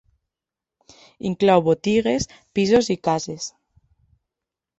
Inclou botigues, pisos i cases.